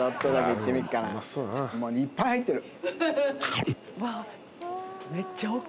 いっぱい入ってる。